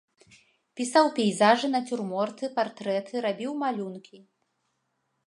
Пісаў пейзажы, нацюрморты, партрэты, рабіў малюнкі.